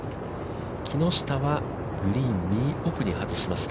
木下はグリーン右奥に外しました。